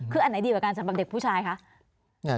คืออันไหนดีกว่ากันสำหรับเด็กผู้ชายคะ